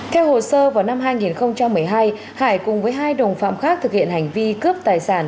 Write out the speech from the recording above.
theo hồ sơ vào năm hai nghìn một mươi hai hải cùng với hai đồng phạm khác thực hiện hành vi cướp tài sản